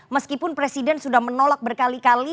meskipun presiden sudah menolak berkali kali